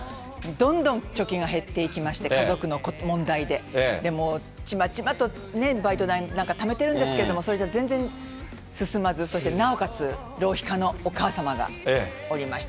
どんどん貯金が減っていきまして、問題で、ちまちまとね、バイト代なんかためてるんですけれども、それじゃ全然進まず、そして、なおかつ浪費家のお母様がおりまして。